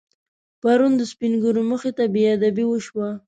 پرون د سپینږیرو مخې ته بېادبي وشوه.